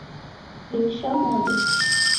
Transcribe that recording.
Rimisha modo